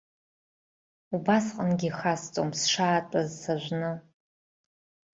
Убасҟангьы ихасҵом сшаатәаз сажәны.